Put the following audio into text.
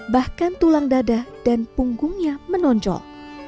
bahkan tulang dada dan punggungnya menonjol